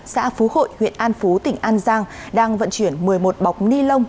xã phú hội huyện an phú tỉnh an giang đang vận chuyển một mươi một bọc ni lông